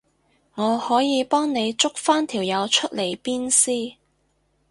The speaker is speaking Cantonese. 我可以幫你捉返條友出嚟鞭屍